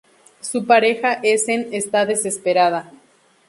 Su pareja Essen está desesperada.